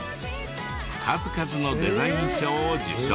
数々のデザイン賞を受賞。